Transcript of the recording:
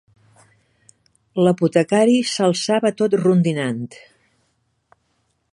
L'apotecari s'alçava tot rondinant